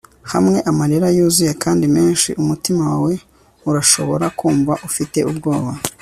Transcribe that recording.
hamwe amarira yuzuye kandi menshi, umutima wawe urashobora kumva ufite ubwoba